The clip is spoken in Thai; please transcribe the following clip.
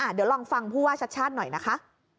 เดี๋ยวลองฟังผู้ว่าชัดชาติหน่อยนะคะ